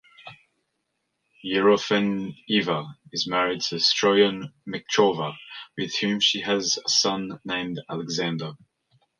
Yerofeyeva is married to Stoyan Metchkarov, with whom she has a son named Alexander.